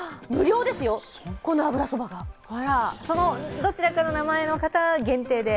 どちらかの名前の方、限定で？